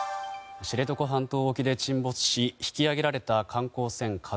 知床半島沖で沈没し引き揚げられた観光船「ＫＡＺＵ１」。